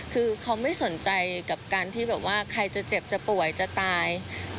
คือเขาไม่สนใจกับการที่แบบว่าใครจะเจ็บจะป่วยจะตาย